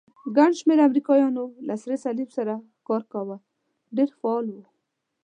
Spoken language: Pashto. ګڼ شمېر امریکایانو له سرې صلیب سره کار کاوه، ډېر فعال وو.